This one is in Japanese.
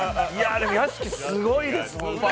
屋敷すごいです。